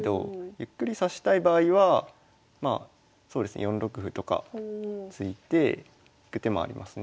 ゆっくり指したい場合はそうですね４六歩とか突いていく手もありますね。